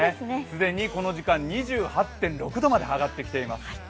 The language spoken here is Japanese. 既にこの時間、２８．６度まで上がってきています。